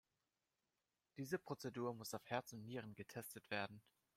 Diese Prozedur muss auf Herz und Nieren getestet werden.